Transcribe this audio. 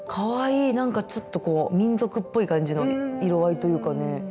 なんかちょっとこう民族っぽい感じの色合いというかね。